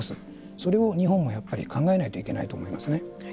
それを日本はやっぱり考えないといけないと思いますね。